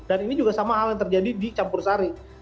dan ini juga sama hal yang terjadi di campur sari